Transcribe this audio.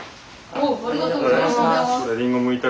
ありがとうございます。